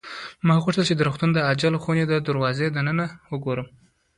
ما غوښتل چې د روغتون د عاجلې خونې د دروازې ننداره وکړم.